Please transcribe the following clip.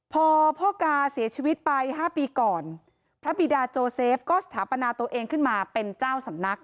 พอพ่อกาเสียชีวิตไป๕ปีก่อนพระบิดาโจเซฟก็สถาปนาตัวเองขึ้นมาเป็นเจ้าสำนัก